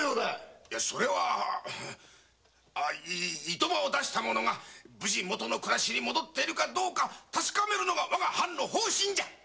イトマを出した者が無事に元の暮らしに戻っているかどうかそれを確かめるのが我が藩の方針じゃ。